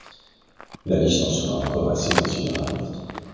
La liste en sera encore assez considérable.